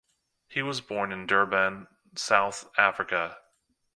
He was born in Durban, South Africa.